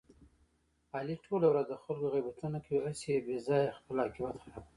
علي ټوله ورځ د خلکو غیبتونه کوي، هسې بې ځایه خپل عاقبت خرابوي.